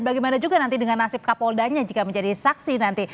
dan bagaimana juga nanti dengan nasib kapoldo nya jika menjadi saksi nanti